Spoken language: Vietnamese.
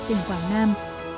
tỉnh quảng nam